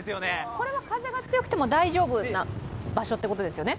これは風が強くても大丈夫な場所ということですよね？